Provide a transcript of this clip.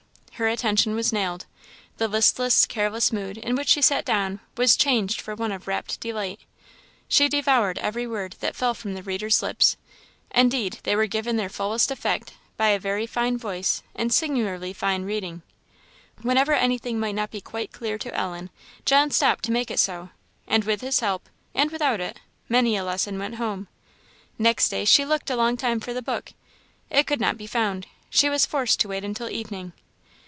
Her attention was nailed; the listless, careless mood in which she sat down was changed for one of rapt delight; she devoured every word that fell from the reader's lips; indeed they were given their fullest effect by a very fine voice and singularly fine reading. Whenever anything might not be quite clear to Ellen, John stopped to make it so; and with his help, and without it, many a lesson went home. Next day she looked a long time for the book; it could not be found; she was forced to wait until evening.